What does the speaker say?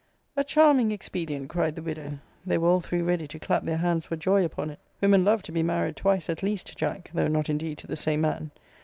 A charming expedient! cried the widow. They were all three ready to clap their hands for joy upon it. Women love to be married twice at least, Jack; though not indeed to the same man.